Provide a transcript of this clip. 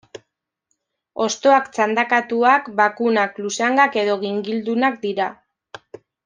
Hostoak txandakatuak, bakunak, luzangak edo gingildunak dira.